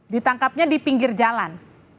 ditangkapnya di pinggir jalan